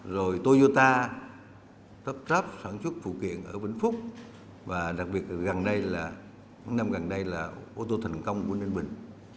rồi toyota sản xuất phụ kiện ở bình phúc và đặc biệt năm gần đây là ô tô thành công của ninh bình